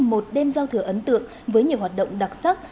một đêm giao thừa ấn tượng với nhiều hoạt động đặc sắc